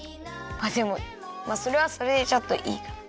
でもそれはそれでちょっといいかな。